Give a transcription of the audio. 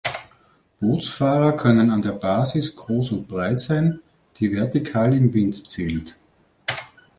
Bootsfahrer können an der Basis groß und breit sein, die vertikal im Wind zählt.